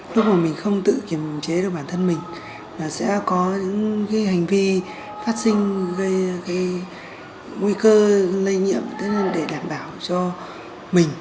lúc mà mình không tự kiểm chế được bản thân mình sẽ có những hành vi phát sinh nguy cơ lây nhiễm để đảm bảo cho mình